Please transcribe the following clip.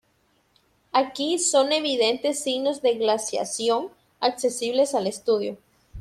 Aquí son evidentes signos de glaciación accesibles al estudio.